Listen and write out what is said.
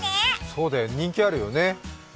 そうだよ、人気あるよね。